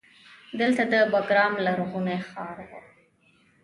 دلته د بیګرام لرغونی ښار و